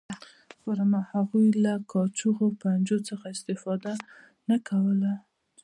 هغوی له کاچوغو او پنجو څخه استفاده نه کوله.